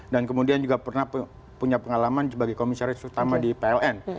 dan kemudian juga pernah punya pengalaman sebagai komisaris utama di pln